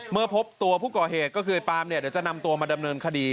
เมื่อพบตัวผู้ก่อเหตุก็คือปาล์มจะนำตัวมาดำเนินคดี